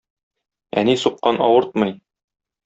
Әни суккан авыртмый.